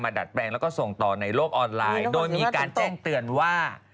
ดัดแปลงแล้วก็ส่งต่อในโลกออนไลน์โดยมีการแจ้งเตือนว่า